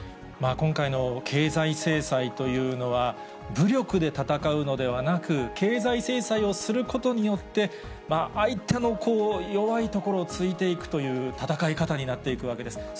今回の経済制裁というのは、武力で戦うのではなく、経済制裁をすることによって、相手の弱いところを突いていくという戦い方になっていくわけです。